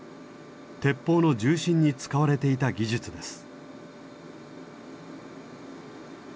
鉄砲の銃身に使われていた技術です。